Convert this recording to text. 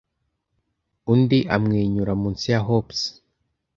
undi amwenyura munsi ya hops